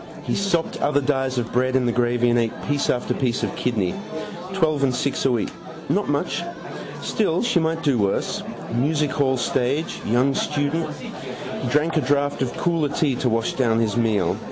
He sopped other dies of bread in the gravy and ate piece after piece of kidney. Twelve and six a week. Not much. Still, she might do worse. Music hall stage. Young student. He drank a draught of cooler tea to wash down his meal.